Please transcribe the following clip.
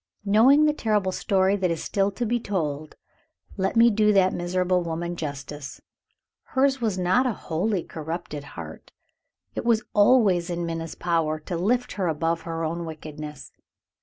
Knowing the terrible story that is still to be told, let me do that miserable woman justice. Hers was not a wholly corrupted heart. It was always in Minna's power to lift her above her own wickedness.